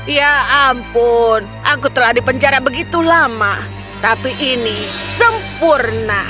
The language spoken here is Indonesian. ya ampun aku telah dipenjara begitu lama tapi ini sempurna